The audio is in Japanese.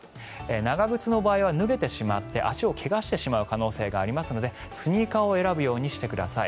長靴の場合は脱げてしまって足を怪我してしまう可能性がありますのでスニーカーを選ぶようにしてください。